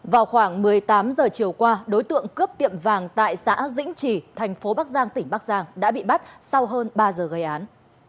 vào khoảng một mươi tám giờ chiều qua đối tượng cướp tiệm vàng tại xã dĩnh trì thành phố bắc giang tỉnh bắc giang đã bị bắt sau hơn ba giờ gây án